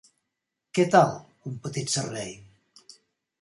Què tal un petit servei?